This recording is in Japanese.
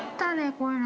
こういうの。